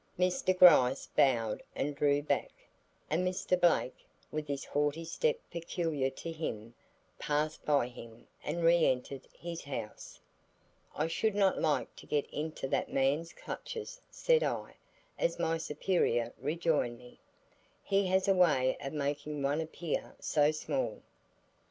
Mr. Gryce bowed and drew back, and Mr. Blake, with the haughty step peculiar to him, passed by him and reentered his house. "I should not like to get into that man's clutches," said I, as my superior rejoined me; "he has a way of making one appear so small."